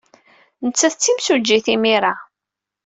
Nettat d timsujjit imir-a.